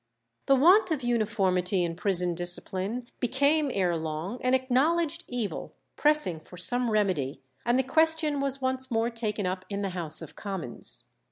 This want of uniformity in prison discipline became ere long an acknowledged evil pressing for some remedy, and the question was once more taken up in the House of Commons.